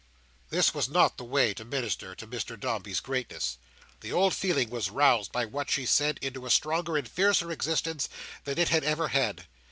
This was not the way to minister to Mr Dombey's greatness. The old feeling was roused by what she said, into a stronger and fiercer existence than it had ever had.